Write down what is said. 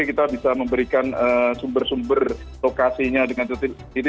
kita bisa memberikan sumber sumber lokasinya dengan cetil